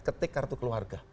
ketik kartu keluarga